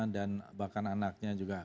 dan bahkan anaknya juga